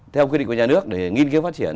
theo quy định của nhà nước để nghiên cứu phát triển